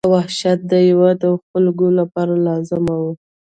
دا وحشت د هېواد او خلکو لپاره لازم وو.